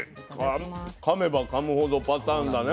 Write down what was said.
かめばかむほどパターンだね